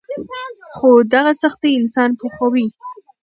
خو دغه سختۍ انسان پوخوي.